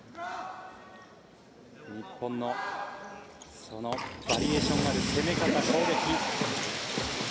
日本のそのバリエーションがある攻め方、攻撃。